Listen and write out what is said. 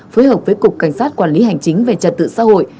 phối hợp với cục cảnh sát quản lý hành chính về trật tự xã hội